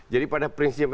jadi pada prinsipnya